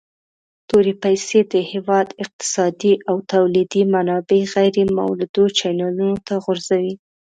تورې پیسي د هیواد اقتصادي او تولیدي منابع غیر مولدو چینلونو ته غورځوي.